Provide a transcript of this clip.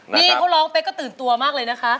นี่เขาร้องเป๊กก็ตื่นตัวมากเลยนะคะ